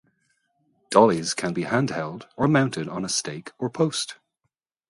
Dollies can be hand-held or mounted on a stake or post.